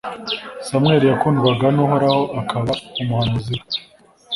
Samweli yakundwaga n’Uhoraho, akaba umuhanuzi we;